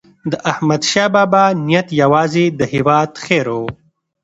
داحمدشاه بابا نیت یوازې د هیواد خیر و.